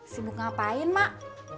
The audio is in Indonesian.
sibuk ngapain mak